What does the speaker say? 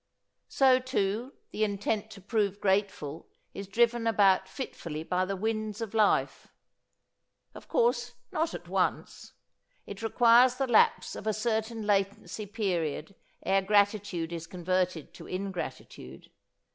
So, too, the intent to prove grateful is driven about fitfully by the winds of life. Of course, not at once. It requires the lapse of a certain latency period ere gratitude is converted to ingratitude.